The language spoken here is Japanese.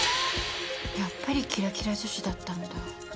やっぱりキラキラ女子だったんだ。